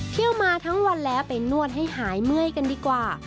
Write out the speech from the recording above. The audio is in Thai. เที่ยวมาทั้งวันแล้วไปนวดให้หายเมื่อยกันดีกว่า